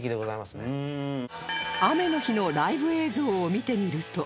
雨の日のライブ映像を見てみると